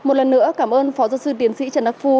một lần nữa cảm ơn phó giáo sư tiến sĩ trần đắc phu